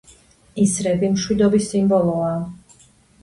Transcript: ისრები მშვიდობის სიმბოლოა.